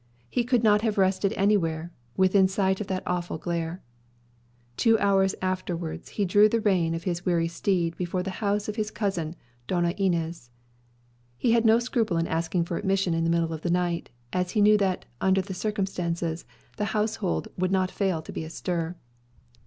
He could not have rested anywhere, within sight of that awful glare. Two hours afterwards he drew the rein of his weary steed before the house of his cousin Doña Inez. He had no scruple in asking for admission in the middle of the night, as he knew that, under the circumstances, the household would not fail to be astir.